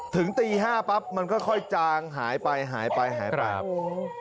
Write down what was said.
ถึงตี๕ปั๊บมันก็ค่อยจางหายไปหายไปหายไป